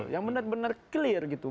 yang benar benar clear gitu